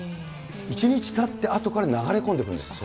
１日たってあとから流れ込んでくるんですって。